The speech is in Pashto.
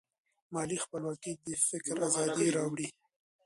مالي خپلواکي د فکر ازادي راوړي.